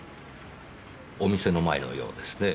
お店の前のようですね。